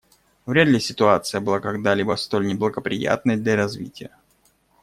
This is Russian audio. Вряд ли ситуация была когда-либо столь неблагоприятной для развития.